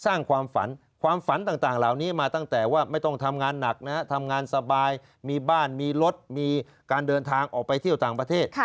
สร้างความฝันความฝันต่างเหล่านี้มาตั้งแต่ว่าไม่ต้องทำงานหนักนะฮะทำงานสบายมีบ้านมีรถมีการเดินทางออกไปเที่ยวต่างประเทศ